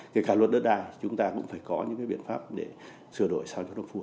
thì cả luật đất đai chúng ta cũng phải có những biện pháp để sửa đổi sao cho nó phù hợp